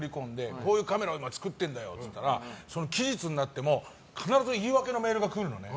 こういうカメラを作ってるんだっていうんだけどその期日になっても必ず言い訳のメールが来るのね。